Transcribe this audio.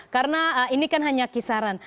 karena ini kan hanya kisaran